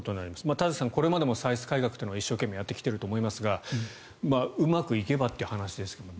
田崎さん、これまでも歳出改革というのは一生懸命やってきてると思いますがうまくいけばという話ですが。